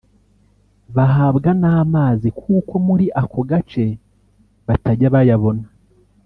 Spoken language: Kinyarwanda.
bahabwa n’amazi kuko muri ako gace batajya bayabona